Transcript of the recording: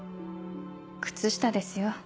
靴下ですよ。